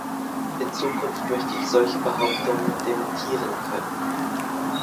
In Zukunft möchte ich solche Behauptungen dementieren können.